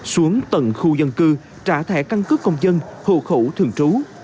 xuống tầng khu dân cư trả thẻ căn cước công dân hộ khẩu thường trú